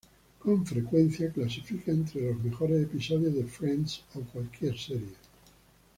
Con frecuencia clasifica entre los mejores episodios de "Friends", o cualquier serie.